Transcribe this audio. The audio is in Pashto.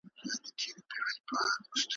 له بلبله څخه هېر سول پروازونه ,